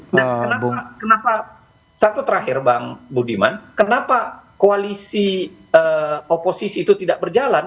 nah kenapa satu terakhir bang budiman kenapa koalisi oposisi itu tidak berjalan